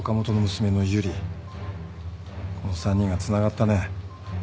この３人がつながったね。